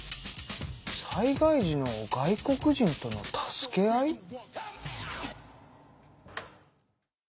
「災害時の外国人との助け合い」？